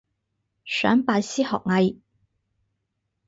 想拜師學藝